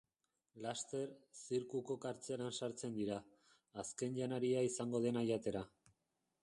Laster, zirkuko kartzelan sartzen dira, azken janaria izango dena jatera.